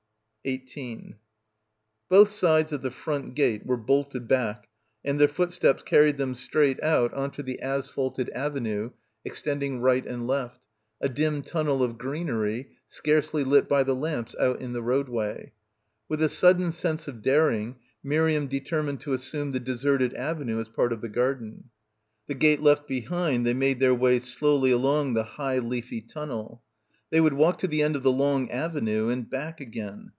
18 Both sides of the front gate were bolted back and their footsteps carried them straight out on to the asphalted avenue extending right and left, a dim tunnel of greenery, scarcely lit by the lamps out in the roadway. With a sudden sense of daring, Miriam determined to assume the de serted avenue as part of the garden. — 62 — BACKWATER m I The gate left behind, they made their way slowly along the high leafy tunnel. They would walk to the end of the long avenue and back again.